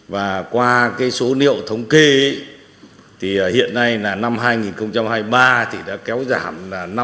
và qua số liệu thống kê hiện nay năm hai nghìn hai mươi ba đã kéo giảm năm năm